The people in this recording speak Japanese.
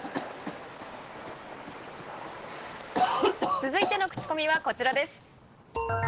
続いてのクチコミはこちらです。